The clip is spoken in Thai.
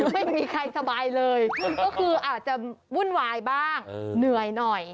ไม่มีใครสบายเลยก็คืออาจจะวุ่นวายบ้างเหนื่อยหน่อย